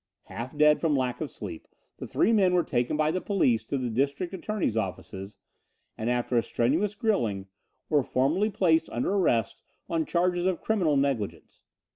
Half dead from lack of sleep, the three men were taken by the police to the district attorney's offices and, after a strenuous grilling, were formally placed under arrest on charges of criminal negligence.